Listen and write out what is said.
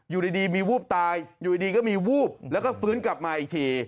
อยู่ดีมีวูบตายอยู่ดีก็มีวูบแล้วก็ฟื้นกลับมาอีกที